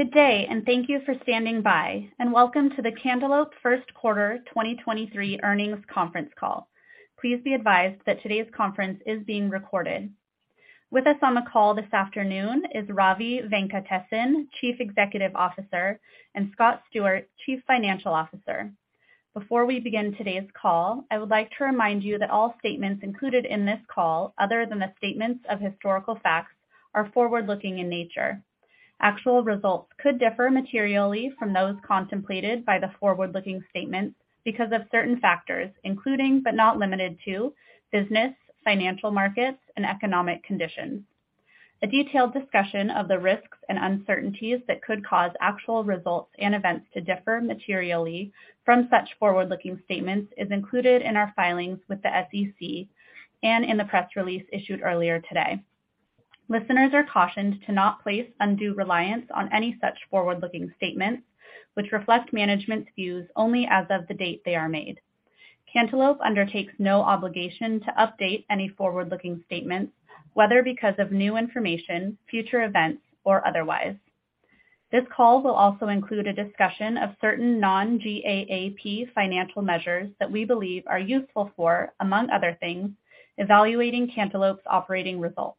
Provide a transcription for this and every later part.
Good day, and thank you for standing by, and welcome to the Cantaloupe first quarter 2023 earnings conference call. Please be advised that today's conference is being recorded. With us on the call this afternoon is Ravi Venkatesan, Chief Executive Officer, and Scott Stewart, Chief Financial Officer. Before we begin today's call, I would like to remind you that all statements included in this call, other than the statements of historical facts, are forward-looking in nature. Actual results could differ materially from those contemplated by the forward-looking statements because of certain factors, including, but not limited to business, financial markets, and economic conditions. A detailed discussion of the risks and uncertainties that could cause actual results and events to differ materially from such forward-looking statements is included in our filings with the SEC and in the press release issued earlier today. Listeners are cautioned to not place undue reliance on any such forward-looking statements, which reflect management's views only as of the date they are made. Cantaloupe undertakes no obligation to update any forward-looking statements, whether because of new information, future events, or otherwise. This call will also include a discussion of certain non-GAAP financial measures that we believe are useful for, among other things, evaluating Cantaloupe's operating results.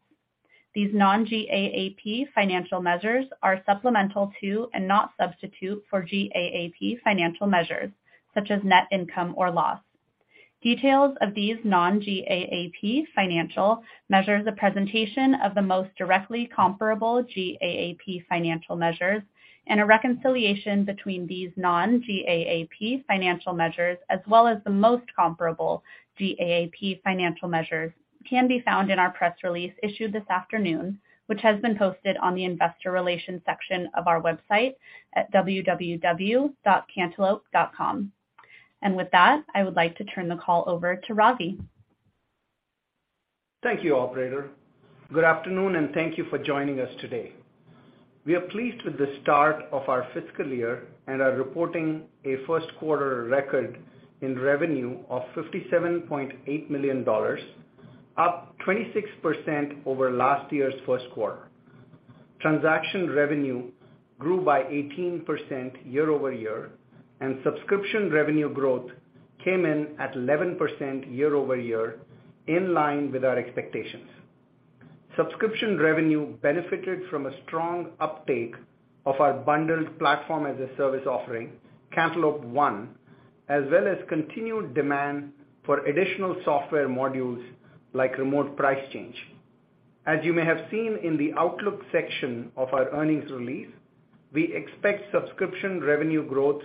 These non-GAAP financial measures are supplemental to and not substitute for GAAP financial measures, such as net income or loss. Details of these non-GAAP financial measures, a presentation of the most directly comparable GAAP financial measures, and a reconciliation between these non-GAAP financial measures, as well as the most comparable GAAP financial measures, can be found in our press release issued this afternoon, which has been posted on the Investor Relations section of our website at www.cantaloupe.com. With that, I would like to turn the call over to Ravi. Thank you, operator. Good afternoon, and thank you for joining us today. We are pleased with the start of our fiscal year and are reporting a first quarter record in revenue of $57.8 million, up 26% over last year's first quarter. Transaction revenue grew by 18% year-over-year, and subscription revenue growth came in at 11% year-over-year, in line with our expectations. Subscription revenue benefited from a strong uptake of our bundled platform-as-a-service offering, Cantaloupe One as well as continued demand for additional software modules like Remote Price Change. As you may have seen in the outlook section of our earnings release, we expect subscription revenue growth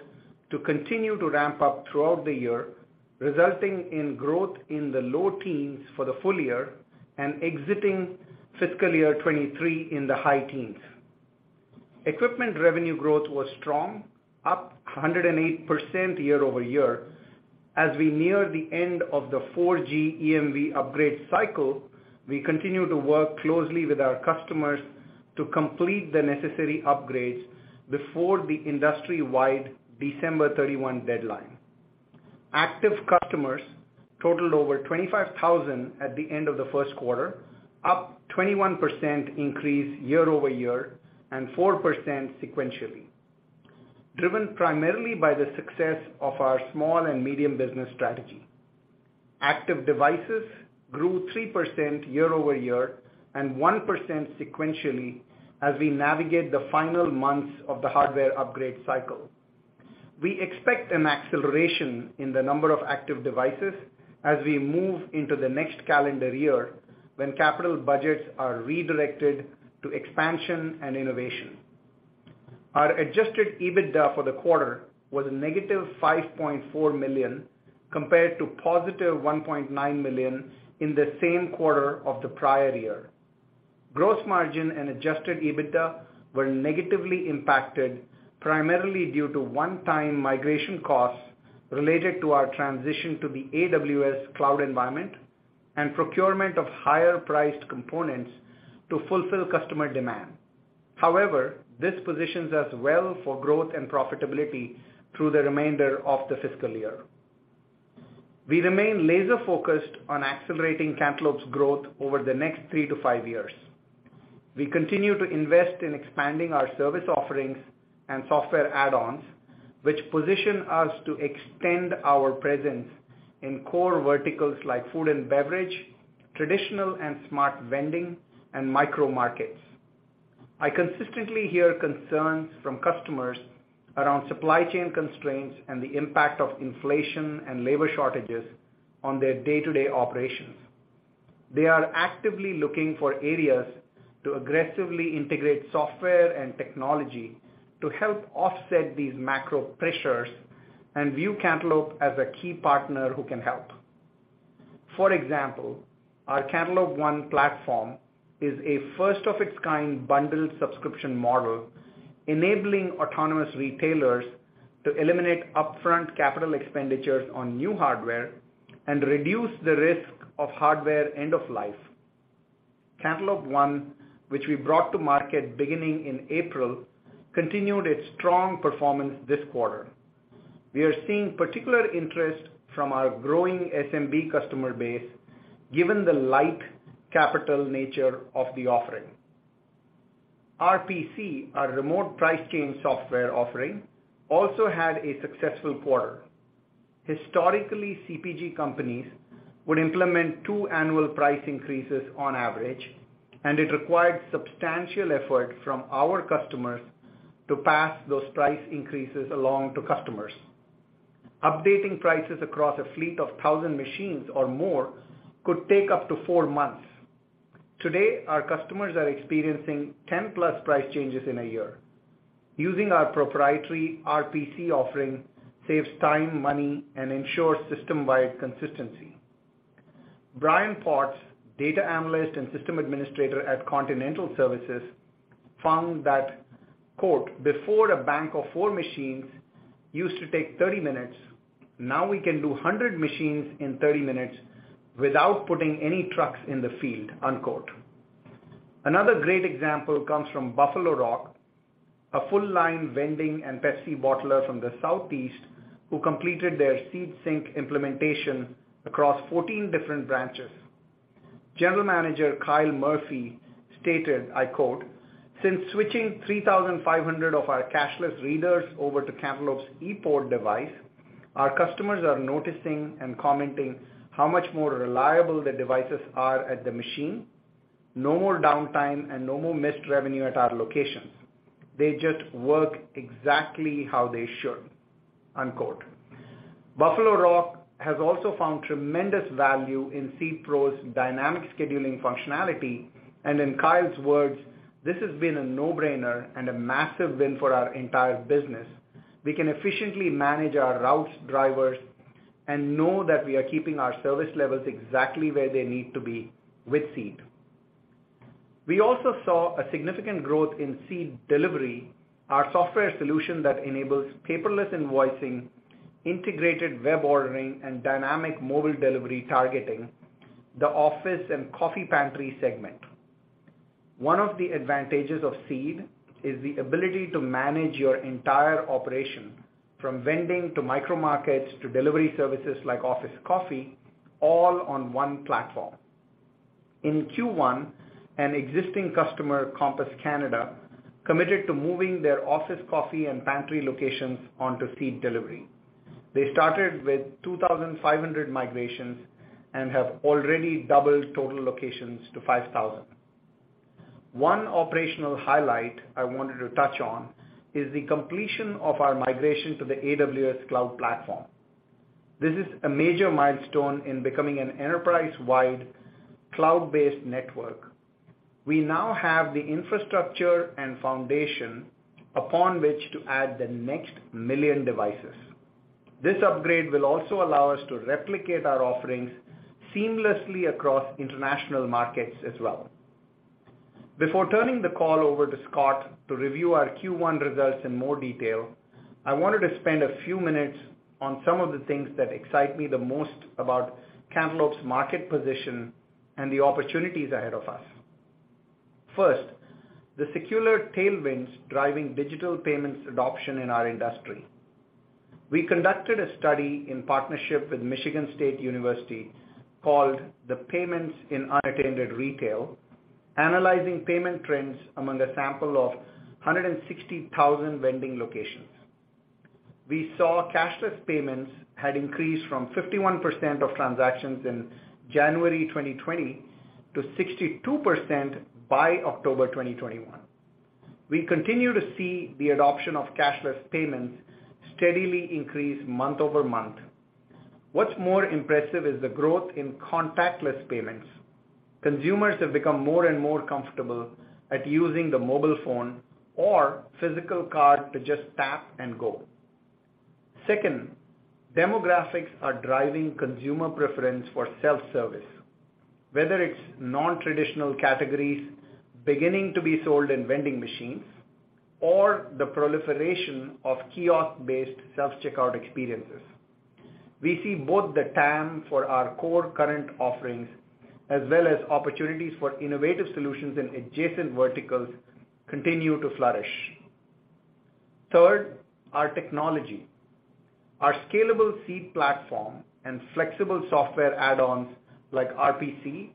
to continue to ramp up throughout the year, resulting in growth in the low teens for the full year and exiting fiscal year 2023 in the high teens. Equipment revenue growth was strong, up 108% year-over-year. As we near the end of the 4G EMV upgrade cycle, we continue to work closely with our customers to complete the necessary upgrades before the industry-wide December 31 deadline. Active customers totaled over 25,000 at the end of the first quarter, up 21% increase year-over-year and 4% sequentially, driven primarily by the success of our small and medium business strategy. Active devices grew 3% year-over-year and 1% sequentially as we navigate the final months of the hardware upgrade cycle. We expect an acceleration in the number of active devices as we move into the next calendar year when capital budgets are redirected to expansion and innovation. Our Adjusted EBITDA for the quarter was -$5.4 million, compared to +$1.9 million in the same quarter of the prior year. Gross margin and Adjusted EBITDA were negatively impacted primarily due to one-time migration costs related to our transition to the AWS cloud environment and procurement of higher-priced components to fulfill customer demand. However, this positions us well for growth and profitability through the remainder of the fiscal year. We remain laser-focused on accelerating Cantaloupe's growth over the next three-five years. We continue to invest in expanding our service offerings and software add-ons, which position us to extend our presence in core verticals like food and beverage, traditional and smart vending, and micro markets. I consistently hear concerns from customers around supply chain constraints and the impact of inflation and labor shortages on their day-to-day operations. They are actively looking for areas to aggressively integrate software and technology to help offset these macro pressures and view Cantaloupe as a key partner who can help. For example, our Cantaloupe One platform is a first-of-its-kind bundled subscription model, enabling autonomous retailers to eliminate upfront capital expenditures on new hardware and reduce the risk of hardware end of life. Cantaloupe ONE, which we brought to market beginning in April, continued its strong performance this quarter. We are seeing particular interest from our growing SMB customer base given the light capital nature of the offering. RPC, our remote price change software offering, also had a successful quarter. Historically, CPG companies would implement two annual price increases on average, and it required substantial effort from our customers to pass those price increases along to customers. Updating prices across a fleet of 1,000 machines or more could take up to four months. Today, our customers are experiencing 10+ price changes in a year. Using our proprietary RPC offering saves time, money, and ensures system-wide consistency. Brian Potts, Data Analyst and System Administrator at Continental Services, found that, quote, "Before, a bank of four machines used to take 30 minutes. Now we can do 100 machines in 30 minutes without putting any trucks in the field." Unquote. Another great example comes from Buffalo Rock, a full line vending and Pepsi bottler from the Southeast, who completed their Seed Sync implementation across 14 different branches. General Manager Kyle Murphy stated, I quote, "Since switching 3,500 of our cashless readers over to Cantaloupe's ePort device, our customers are noticing and commenting how much more reliable the devices are at the machine. No more downtime and no more missed revenue at our locations. They just work exactly how they should." Unquote. Buffalo Rock has also found tremendous value in Seed Pro's dynamic scheduling functionality, and in Kyle's words, "This has been a no-brainer and a massive win for our entire business. We can efficiently manage our routes, drivers, and know that we are keeping our service levels exactly where they need to be with Seed." We also saw a significant growth in Seed Delivery, our software solution that enables paperless invoicing, integrated web ordering, and dynamic mobile delivery, targeting the office and coffee pantry segment. One of the advantages of Seed is the ability to manage your entire operation, from vending to micro markets to delivery services like Office Coffee, all on one platform. In Q1, an existing customer, Compass Group Canada, committed to moving their office coffee and pantry locations onto Seed Delivery. They started with 2,500 migrations and have already doubled total locations to 5,000. One operational highlight I wanted to touch on is the completion of our migration to the AWS cloud platform. This is a major milestone in becoming an enterprise-wide cloud-based network. We now have the infrastructure and foundation upon which to add the next million devices. This upgrade will also allow us to replicate our offerings seamlessly across international markets as well. Before turning the call over to Scott to review our Q1 results in more detail, I wanted to spend a few minutes on some of the things that excite me the most about Cantaloupe's market position and the opportunities ahead of us. First, the secular tailwinds driving digital payments adoption in our industry. We conducted a study in partnership with Michigan State University called Payments in Unattended Retail, analyzing payment trends among a sample of 160,000 vending locations. We saw cashless payments had increased from 51% of transactions in January 2020 to 62% by October 2021. We continue to see the adoption of cashless payments steadily increase month-over-month. What's more impressive is the growth in contactless payments. Consumers have become more and more comfortable at using the mobile phone or physical card to just tap and go. Second, demographics are driving consumer preference for self-service. Whether it's non-traditional categories beginning to be sold in vending machines or the proliferation of kiosk-based self-checkout experiences, we see both the TAM for our core current offerings, as well as opportunities for innovative solutions in adjacent verticals continue to flourish. Third, our technology. Our scalable Seed platform and flexible software add-ons like RPC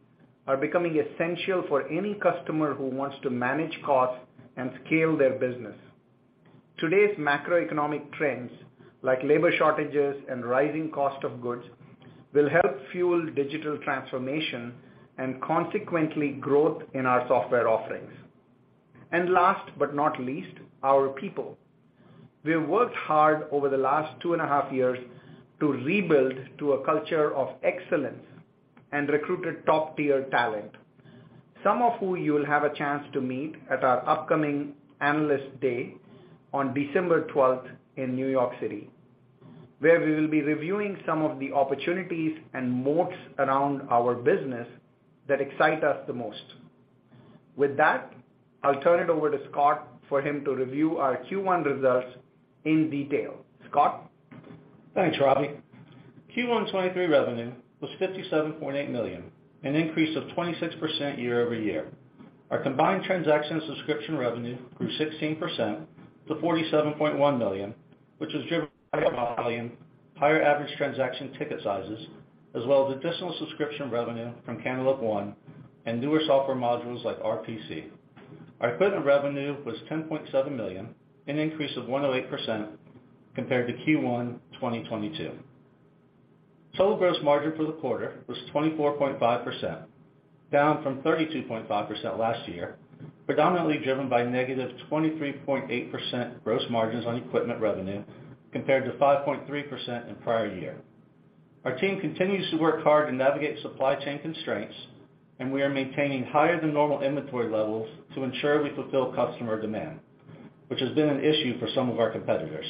are becoming essential for any customer who wants to manage costs and scale their business. Today's macroeconomic trends, like labor shortages and rising cost of goods, will help fuel digital transformation and consequently growth in our software offerings. Last but not least, our people. We have worked hard over the last 2.5 years to rebuild to a culture of excellence and recruited top-tier talent, some of who you'll have a chance to meet at our upcoming Analyst Day on December 12th in New York City, where we will be reviewing some of the opportunities and moats around our business that excite us the most. With that, I'll turn it over to Scott for him to review our Q1 results in detail. Scott? Thanks, Ravi. Q1 2023 revenue was $57.8 million, an increase of 26% year-over-year. Our combined transaction subscription revenue grew 16% to $47.1 million, which was driven by volume, higher average transaction ticket sizes, as well as additional subscription revenue from Cantaloupe One and newer software modules like RPC. Our equipment revenue was $10.7 million, an increase of 108% compared to Q1 2022. Total gross margin for the quarter was 24.5%, down from 32.5% last year, predominantly driven by -23.8% gross margins on equipment revenue compared to 5.3% in prior year. Our team continues to work hard to navigate supply chain constraints, and we are maintaining higher than normal inventory levels to ensure we fulfill customer demand, which has been an issue for some of our competitors.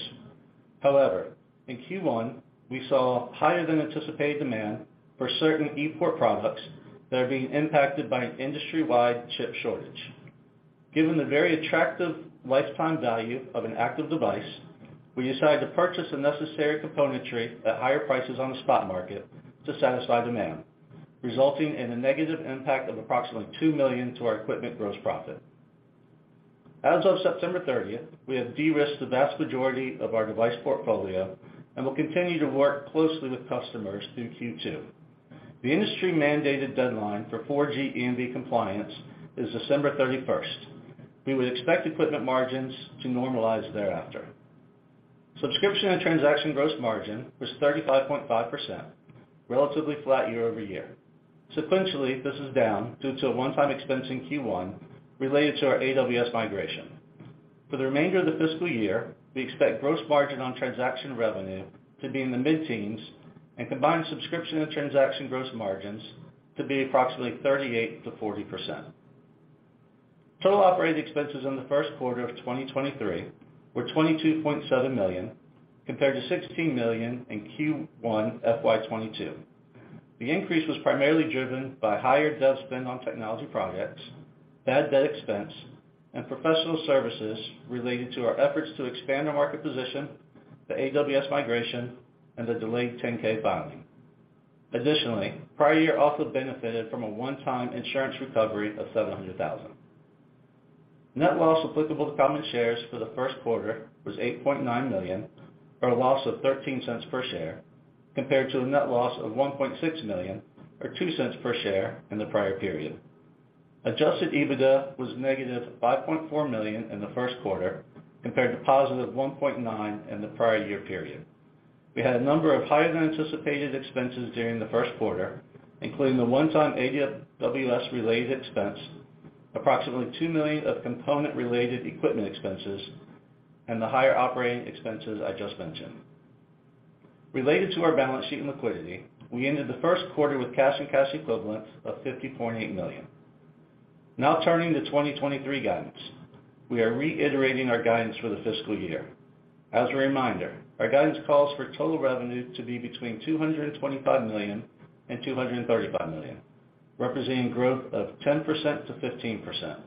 However, in Q1, we saw higher than anticipated demand for certain ePort products that are being impacted by an industry-wide chip shortage. Given the very attractive lifetime value of an active device, we decided to purchase the necessary componentry at higher prices on the spot market to satisfy demand, resulting in a negative impact of approximately $2 million to our equipment gross profit. As of September 30th, we have de-risked the vast majority of our device portfolio and will continue to work closely with customers through Q2. The industry-mandated deadline for 4G EMV compliance is December 31st. We would expect equipment margins to normalize thereafter. Subscription and transaction gross margin was 35.5%, relatively flat year-over-year. Sequentially, this is down due to a one-time expense in Q1 related to our AWS migration. For the remainder of the fiscal year, we expect gross margin on transaction revenue to be in the mid-teens% and combined subscription and transaction gross margins to be approximately 38%-40%. Total operating expenses in the first quarter of 2023 were $22.7 million, compared to $16 million in Q1 FY 2022. The increase was primarily driven by higher dev spend on technology projects, bad debt expense, and professional services related to our efforts to expand our market position, the AWS migration, and the delayed 10-K filing. Additionally, prior year also benefited from a one-time insurance recovery of $700,000. Net loss applicable to common shares for the first quarter was $8.9 million or a loss of $0.13 per share, compared to a net loss of $1.6 million or $0.02 per share in the prior period. Adjusted EBITDA was -$5.4 million in the first quarter, compared to +$1.9 million in the prior year period. We had a number of higher than anticipated expenses during the first quarter, including the one-time AWS-related expense, approximately $2 million of component-related equipment expenses, and the higher operating expenses I just mentioned. Related to our balance sheet and liquidity, we ended the first quarter with cash and cash equivalents of $50.8 million. Now turning to 2023 guidance. We are reiterating our guidance for the fiscal year. As a reminder, our guidance calls for total revenue to be between $225 million and $235 million, representing growth of 10%-15%.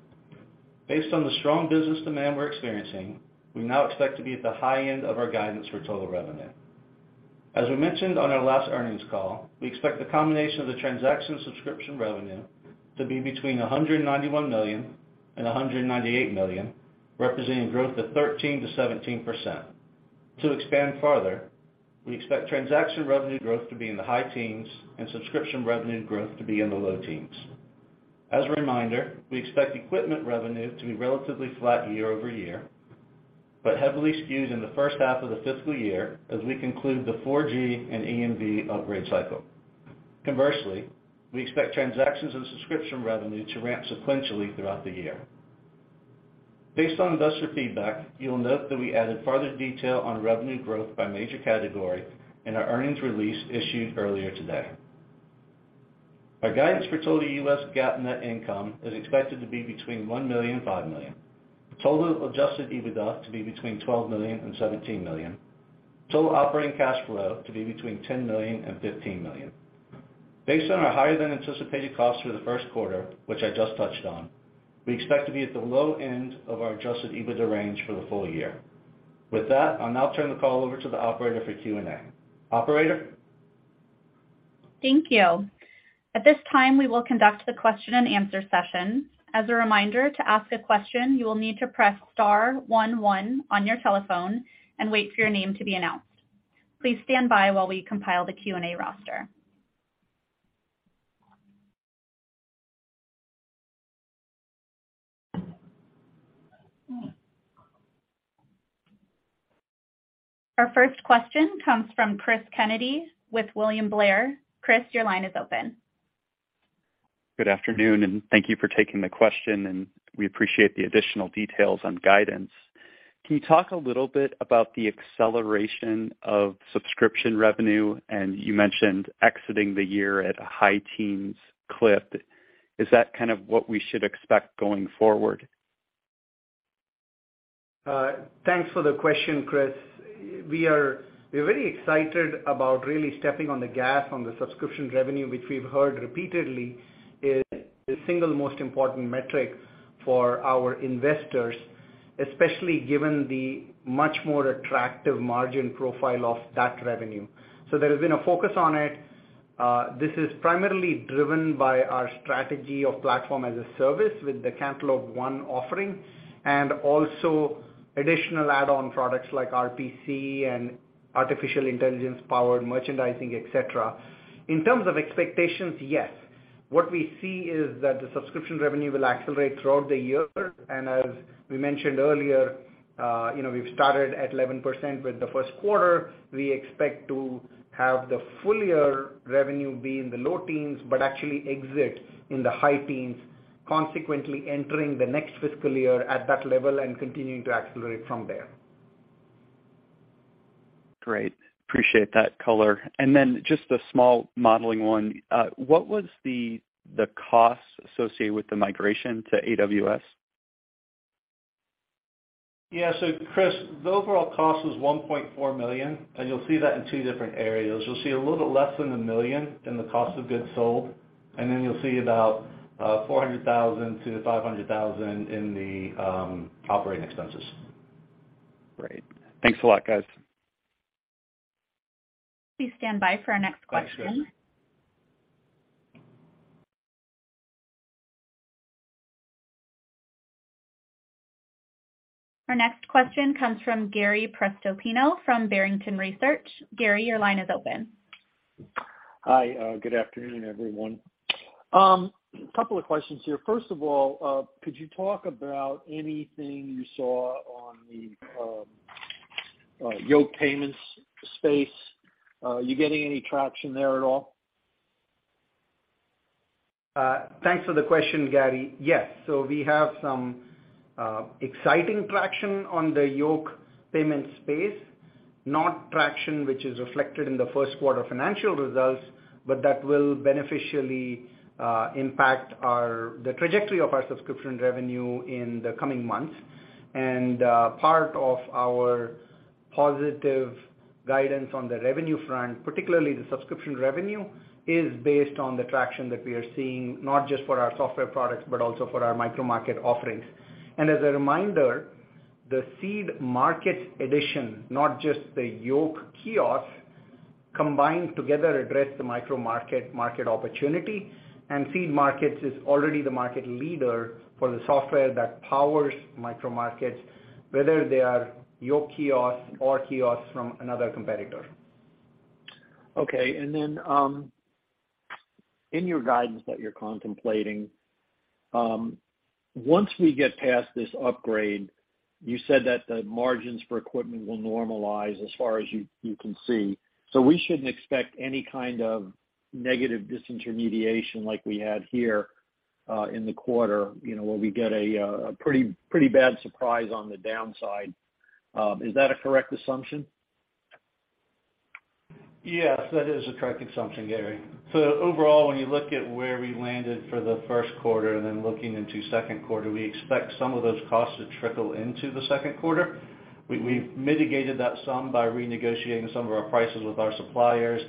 Based on the strong business demand we're experiencing, we now expect to be at the high end of our guidance for total revenue. As we mentioned on our last earnings call, we expect the combination of the transaction subscription revenue to be between $191 million and $198 million, representing growth of 13%-17%. To expand further, we expect transaction revenue growth to be in the high teens and subscription revenue growth to be in the low teens. As a reminder, we expect equipment revenue to be relatively flat year-over-year, but heavily skewed in the first half of the fiscal year as we conclude the 4G and EMV upgrade cycle. Conversely, we expect transactions and subscription revenue to ramp sequentially throughout the year. Based on investor feedback, you'll note that we added further detail on revenue growth by major category in our earnings release issued earlier today. Our guidance for total U.S. GAAP net income is expected to be between $1 million and $5 million. Total Adjusted EBITDA to be between $12 million and $17 million. Total operating cash flow to be between $10 million and $15 million. Based on our higher than anticipated costs for the first quarter, which I just touched on, we expect to be at the low end of our Adjusted EBITDA range for the full year. With that, I'll now turn the call over to the operator for Q&A. Operator? Thank you. At this time, we will conduct the question and answer session. As a reminder, to ask a question, you will need to press star one one on your telephone and wait for your name to be announced. Please stand by while we compile the Q&A roster. Our first question comes from Cristopher Kennedy with William Blair. Cris, your line is open. Good afternoon, and thank you for taking the question, and we appreciate the additional details on guidance. Can you talk a little bit about the acceleration of subscription revenue? You mentioned exiting the year at a high teens clip. Is that kind of what we should expect going forward? Thanks for the question, Cris. We're very excited about really stepping on the gas on the subscription revenue, which we've heard repeatedly is the single most important metric for our investors. Especially given the much more attractive margin profile of that revenue. There has been a focus on it. This is primarily driven by our strategy of Platform-as-a-Service with the Cantaloupe One offering, and also additional add-on products like RPC and artificial intelligence-powered merchandising, et cetera. In terms of expectations, yes. What we see is that the subscription revenue will accelerate throughout the year. As we mentioned earlier, you know, we've started at 11% with the first quarter. We expect to have the full year revenue be in the low teens, but actually exit in the high teens, consequently entering the next fiscal year at that level and continuing to accelerate from there. Great. Appreciate that color. Then just a small modeling one. What was the costs associated with the migration to AWS? Cris, the overall cost was $1.4 million, and you'll see that in two different areas. You'll see a little bit less than $1 million in the cost of goods sold, and then you'll see about $400,000-$500,000 in the operating expenses. Great. Thanks a lot, guys. Please stand by for our next question. Thanks, Cris. Our next question comes from Gary Prestopino from Barrington Research. Gary, your line is open. Hi. Good afternoon, everyone. Couple of questions here. First of all, could you talk about anything you saw on the Yoke Payments space? Are you getting any traction there at all? Thanks for the question, Gary. Yes. We have some exciting traction on the Yoke Payments space. Not traction which is reflected in the first quarter financial results, but that will beneficially impact our trajectory of our subscription revenue in the coming months. Part of our positive guidance on the revenue front, particularly the subscription revenue, is based on the traction that we are seeing, not just for our software products, but also for our micromarket offerings. As a reminder, the Seed Markets edition, not just the Yoke kiosk, combined together address the micromarket market opportunity, and Seed Markets is already the market leader for the software that powers micromarkets, whether they are Yoke kiosk or kiosks from another competitor. Okay. In your guidance that you're contemplating, once we get past this upgrade, you said that the margins for equipment will normalize as far as you can see. We shouldn't expect any kind of negative disintermediation like we had here, in the quarter, you know, where we get a pretty bad surprise on the downside. Is that a correct assumption? Yes, that is a correct assumption, Gary. Overall, when you look at where we landed for the first quarter and then looking into second quarter, we expect some of those costs to trickle into the second quarter. We've mitigated that some by renegotiating some of our prices with our suppliers.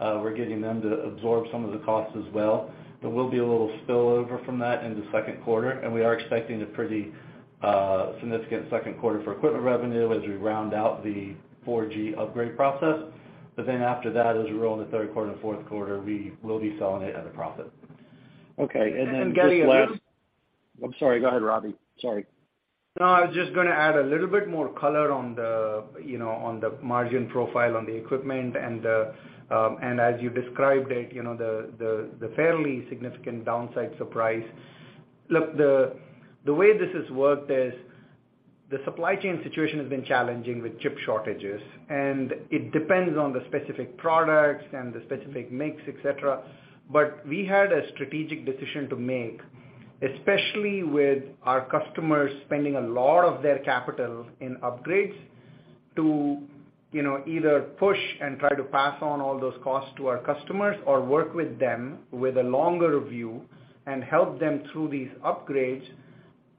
We're getting them to absorb some of the costs as well. There will be a little spillover from that in the second quarter, and we are expecting a pretty significant second quarter for equipment revenue as we round out the 4G upgrade process. After that, as we roll into third quarter and fourth quarter, we will be selling it at a profit. Okay. Just last Gary, I think. I'm sorry, go ahead, Ravi. Sorry. No, I was just gonna add a little bit more color on the, you know, on the margin profile on the equipment and the, and as you described it, you know, the fairly significant downside surprise. Look, the way this has worked is the supply chain situation has been challenging with chip shortages, and it depends on the specific products and the specific makes, et cetera. We had a strategic decision to make, especially with our customers spending a lot of their capital in upgrades to, you know, either push and try to pass on all those costs to our customers or work with them with a longer view and help them through these upgrades,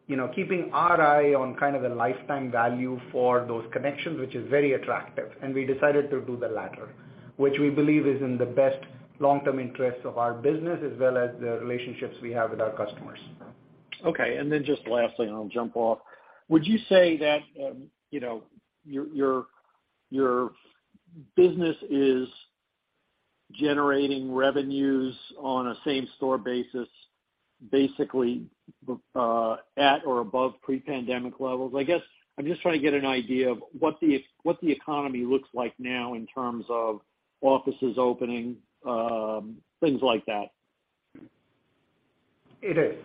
you know, keeping our eye on kind of the lifetime value for those connections, which is very attractive. We decided to do the latter, which we believe is in the best long-term interests of our business as well as the relationships we have with our customers. Okay. Just lastly, and I'll jump off. Would you say that, you know, your business is generating revenues on a same-store basis, basically, at or above pre-pandemic levels? I guess I'm just trying to get an idea of what the economy looks like now in terms of offices opening, things like that. It is.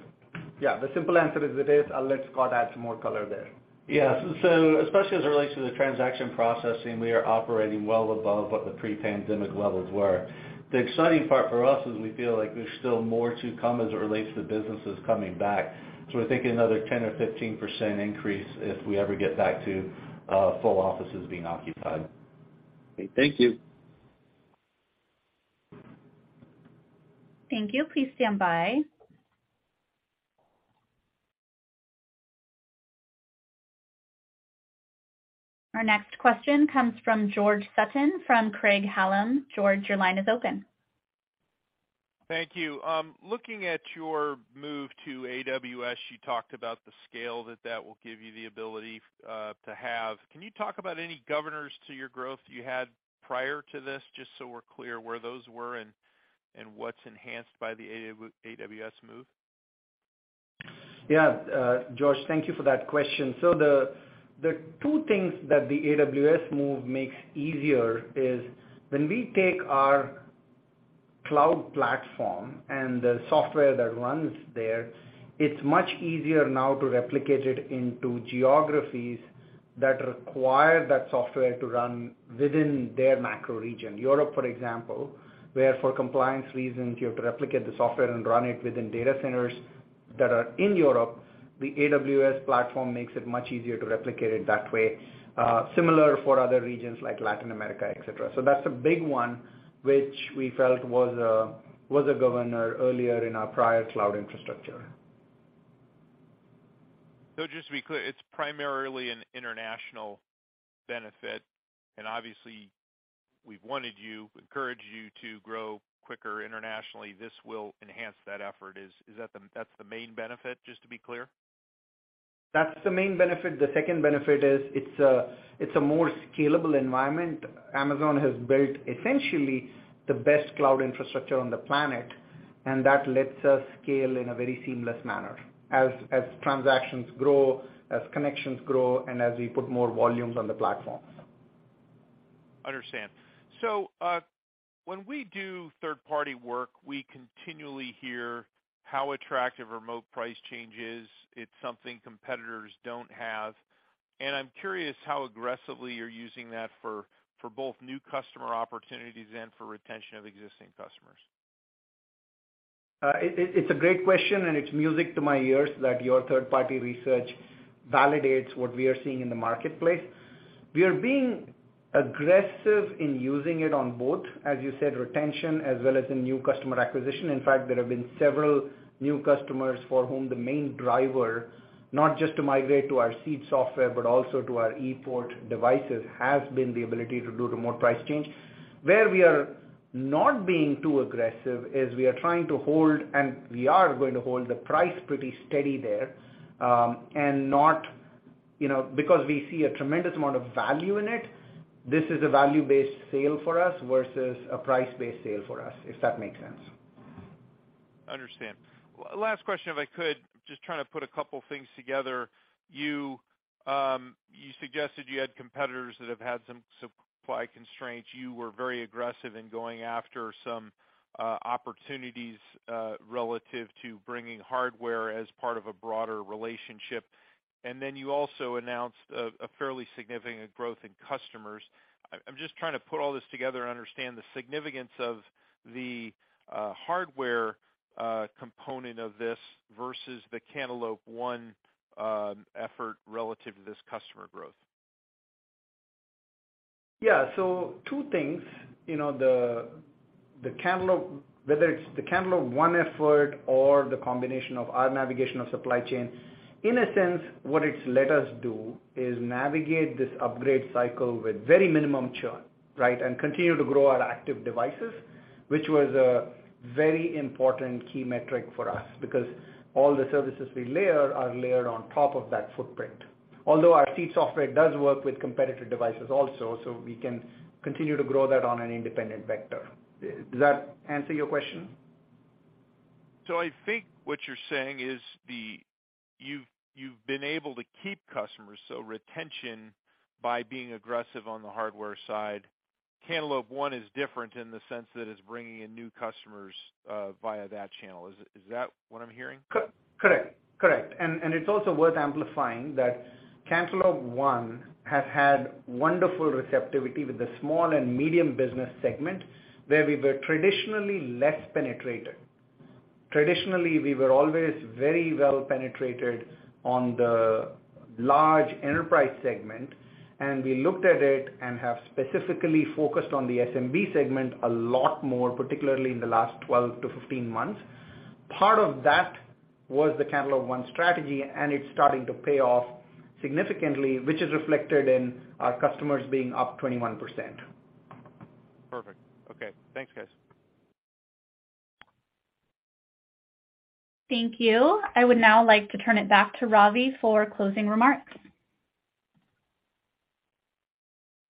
Yeah, the simple answer is it is. I'll let Scott add some more color there. Yeah. Especially as it relates to the transaction processing, we are operating well above what the pre-pandemic levels were. The exciting part for us is we feel like there's still more to come as it relates to businesses coming back. We're thinking another 10% or 15% increase if we ever get back to full offices being occupied. Okay. Thank you. Thank you. Please stand by. Our next question comes from George Sutton from Craig-Hallum. George, your line is open. Thank you. Looking at your move to AWS, you talked about the scale that that will give you the ability to have. Can you talk about any governors to your growth you had prior to this, just so we're clear where those were and what's enhanced by the AWS move? Yeah. George, thank you for that question. The two things that the AWS move makes easier is when we take our cloud platform and the software that runs there, it's much easier now to replicate it into geographies that require that software to run within their macro region. Europe, for example, where for compliance reasons, you have to replicate the software and run it within data centers that are in Europe, the AWS platform makes it much easier to replicate it that way. Similar for other regions like Latin America, et cetera. That's a big one, which we felt was a governor earlier in our prior cloud infrastructure. Just to be clear, it's primarily an international benefit, and obviously we've wanted you, encourage you to grow quicker internationally. This will enhance that effort. That's the main benefit, just to be clear? That's the main benefit. The second benefit is it's a more scalable environment. Amazon has built essentially the best cloud infrastructure on the planet, and that lets us scale in a very seamless manner. As transactions grow, as connections grow, and as we put more volumes on the platforms. Understand. When we do third-party work, we continually hear how attractive Remote Price Change is. It's something competitors don't have. I'm curious how aggressively you're using that for both new customer opportunities and for retention of existing customers. It's a great question, and it's music to my ears that your third-party research validates what we are seeing in the marketplace. We are being aggressive in using it on both, as you said, retention as well as in new customer acquisition. In fact, there have been several new customers for whom the main driver, not just to migrate to our Seed software, but also to our ePort devices, has been the ability to do the Remote Price Change. Where we are not being too aggressive is we are trying to hold, and we are going to hold the price pretty steady there, and not, you know, because we see a tremendous amount of value in it. This is a value-based sale for us versus a price-based sale for us, if that makes sense. Understand. Last question, if I could. Just trying to put a couple things together. You suggested you had competitors that have had some supply constraints. You were very aggressive in going after some opportunities relative to bringing hardware as part of a broader relationship. You also announced a fairly significant growth in customers. I'm just trying to put all this together and understand the significance of the hardware component of this versus the Cantaloupe One effort relative to this customer growth. Yeah. Two things. You know, the Cantaloupe, whether it's the Cantaloupe One effort or the combination of our navigation of supply chain, in a sense, what it's let us do is navigate this upgrade cycle with very minimum churn, right? Continue to grow our active devices, which was a very important key metric for us because all the services we layer are layered on top of that footprint. Although our Seed software does work with competitive devices also, so we can continue to grow that on an independent vector. Does that answer your question? I think what you're saying is you've been able to keep customers, so retention by being aggressive on the hardware side. Cantaloupe One is different in the sense that it's bringing in new customers via that channel. Is that what I'm hearing? Correct. It's also worth amplifying that Cantaloupe One has had wonderful receptivity with the small and medium business segment where we were traditionally less penetrated. Traditionally, we were always very well penetrated on the large enterprise segment, and we looked at it and have specifically focused on the SMB segment a lot more, particularly in the last 12-15 months. Part of that was the Cantaloupe ONE strategy, and it's starting to pay off significantly, which is reflected in our customers being up 21%. Perfect. Okay. Thanks, guys. Thank you. I would now like to turn it back to Ravi for closing remarks.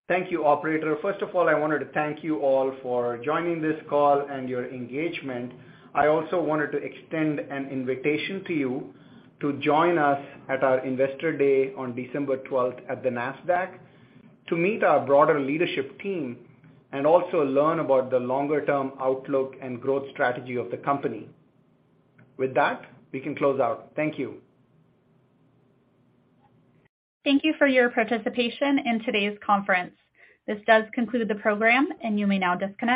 Thank you, operator. First of all, I wanted to thank you all for joining this call and your engagement. I also wanted to extend an invitation to you to join us at our Investor Day on December 12 at the Nasdaq to meet our broader leadership team and also learn about the longer term outlook and growth strategy of the company. With that, we can close out. Thank you. Thank you for your participation in today's conference. This does conclude the program, and you may now disconnect.